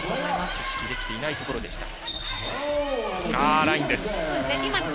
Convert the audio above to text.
意識できていないところでした。